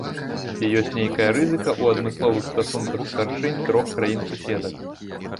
Ці ёсць нейкая разынка ў адмысловых статусах старшынь трох краін-суседак.